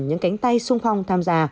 những cánh tay sung phong tham gia